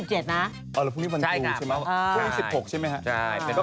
ฮู้งนี้มาวิเคราะห์ตัวเลข